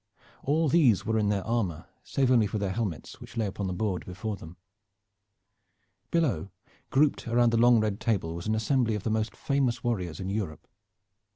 All these were in their armor, save only for their helmets, which lay upon the board before them. Below, grouped around the long red table, was an assembly of the most famous warriors in Europe.